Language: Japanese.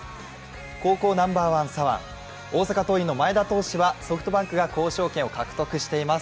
高校ナンバーワン、大阪桐蔭の前田投手はソフトバンクが交渉権を獲得しています。